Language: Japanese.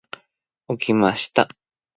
起きました。